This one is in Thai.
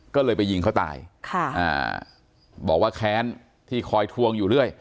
ก็เลยไปยิงเขาตายค่ะอ่าบอกว่าแค้นที่คอยทวงอยู่เรื่อย